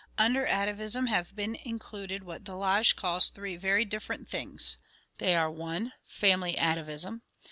Under atavism have been included what Delage calls three very different things. They are: 1. Family atavism.